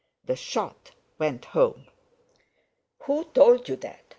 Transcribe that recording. The shot went home. "Who told you that?"